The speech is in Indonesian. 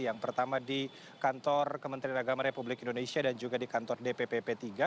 yang pertama di kantor kementerian agama republik indonesia dan juga di kantor dpp p tiga